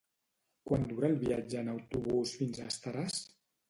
Quant dura el viatge en autobús fins a Estaràs?